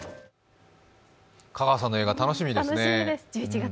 香川さんの映画、楽しみですね。